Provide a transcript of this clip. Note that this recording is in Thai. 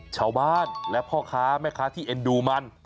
ชาวบ้านและพ่อค้าแม่ค้าที่เอ็นดูมัน